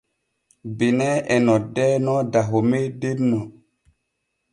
Benin e noddeeno Dahome denno.